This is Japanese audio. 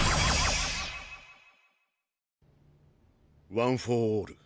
ワン・フォー・オール。